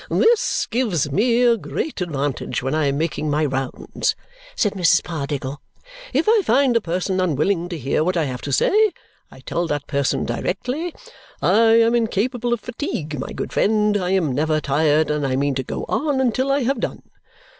"This gives me a great advantage when I am making my rounds," said Mrs. Pardiggle. "If I find a person unwilling to hear what I have to say, I tell that person directly, 'I am incapable of fatigue, my good friend, I am never tired, and I mean to go on until I have done.'